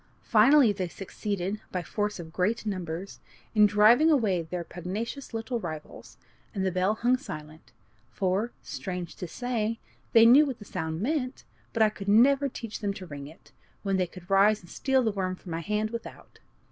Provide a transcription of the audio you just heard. Finally, they succeeded, by force of great numbers, in driving away their pugnacious little rivals, and the bell hung silent; for, strange to say, they knew what the sound meant, but I could never teach them to ring it, when they could rise and steal the worm from my hand without.